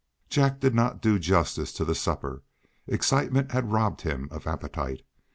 Jack did not do justice to the supper; excitement had robbed him of appetite.